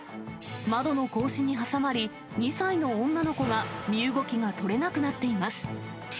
窓の格子に挟まり、２歳の女の子が身動きが取れなくなっています。